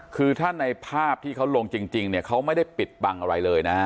คือถ้าในภาพที่เขาลงจริงเนี่ยเขาไม่ได้ปิดบังอะไรเลยนะฮะ